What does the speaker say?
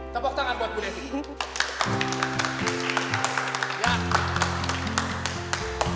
topok tangan buat bu debbie